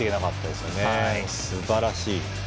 すばらしい。